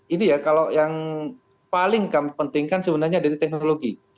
ini ya kalau yang paling kami pentingkan sebenarnya dari teknologi